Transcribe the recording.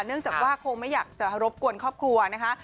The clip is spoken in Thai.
เนื่องจากว่าคงไม่อยากจะรบกวนครอบครัวนะคะ